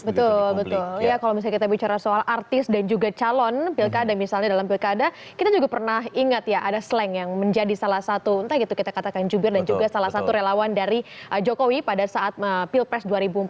betul betul ya kalau misalnya kita bicara soal artis dan juga calon pilkada misalnya dalam pilkada kita juga pernah ingat ya ada slang yang menjadi salah satu entah itu kita katakan jubir dan juga salah satu relawan dari jokowi pada saat pilpres dua ribu empat belas